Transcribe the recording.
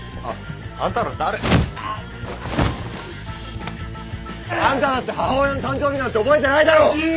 あっ！あんただって母親の誕生日なんて覚えてないだろ！